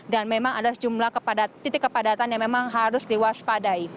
dan memang ada sejumlah titik kepadatan yang memang harus diwaspadai